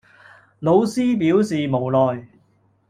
老師表示無奈